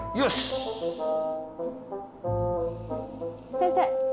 先生。